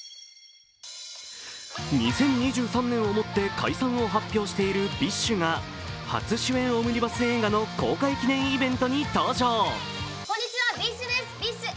２０２３年をもって解散を発表しているＢｉＳＨが初主演オムニバス映画の公開記念イベントに登場。